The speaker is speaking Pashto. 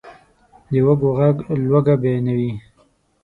د وږو ږغ لوږه بیانوي.